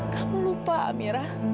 kamu lupa amira